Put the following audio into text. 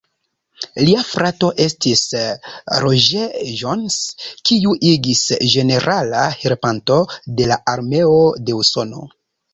Lia frato estis Roger Jones, kiu igis ĝenerala helpanto de la armeo de Usono.